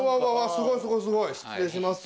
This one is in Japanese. すごいすごいすごい失礼します。